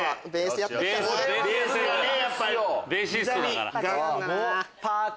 ベーシストだから。